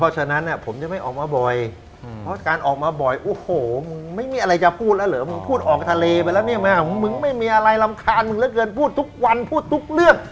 สำคัญมึงแล้วเกินพูดทุกวันพูดทุกเรื่อง